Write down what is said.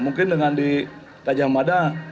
mungkin dengan di gajah mada